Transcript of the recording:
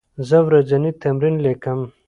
زه ورځنی تمرین لیکم.